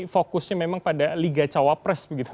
fokusnya memang pada liga cawa press begitu mas